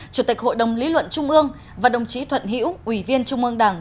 chủ tịch hội đồng lý luận trung ương và đồng chí thuận hữu ủy viên trung ương đảng